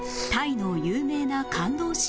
タイの有名な感動